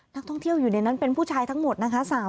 นักท่องเที่ยวอยู่ในนั้นเป็นผู้ชายทั้งหมดนะคะ